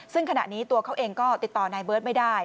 ซึ่งขณะนี้ตัวเขาเองก็ติดต่อนายเบิร์ตไม่ได้